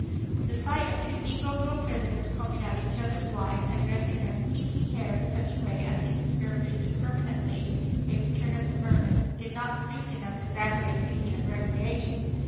The sight of two negro girl prisoners combing out each other's lice and dressing their kinky hair in such a way as to discourage permanently a return of the vermin did not produce in us exactly a feeling of "recreation."